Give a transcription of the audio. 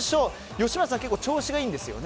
吉村さん、結構調子がいいんですよね。